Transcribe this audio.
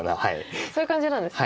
そういう感じなんですね。